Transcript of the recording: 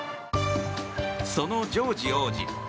そのジョージ王子。